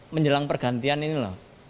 menjelang pergantian ini lah